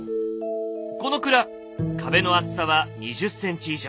この蔵壁の厚さは２０ｃｍ以上。